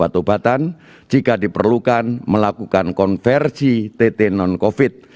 obat obatan jika diperlukan melakukan konversi tt non covid